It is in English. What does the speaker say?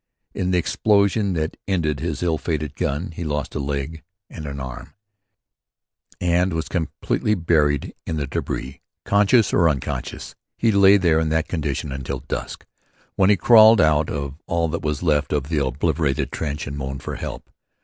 In the explosion that ended his ill fated gun, he lost a leg and an arm, and was completely buried in the débris. Conscious or unconscious, he lay there in that condition until dusk, when he crawled out of all that was left of the obliterated trench and moaned for help.